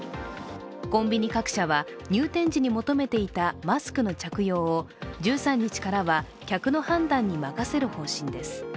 コンビニ各社は入店示に求めていたマスクの着用を１３日からは客の判断に任せる方針です。